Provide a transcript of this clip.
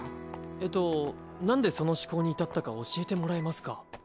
えっとなんでその思考に至ったか教えてもらえますか？